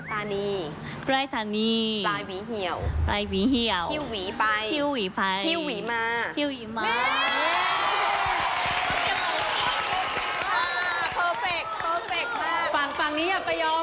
ฝั่งฝั่งนี้อย่าไปยอมฝั่งนี้อย่าไปยอม